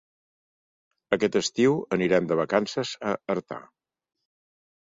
Aquest estiu anirem de vacances a Artà.